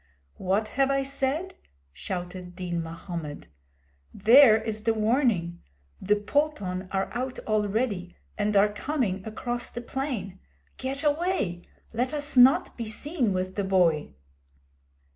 'What have I said?' shouted Din Mahommed. 'There is the warning! The pulton are out already and are coming across the plain! Get away! Let us not be seen with the boy!'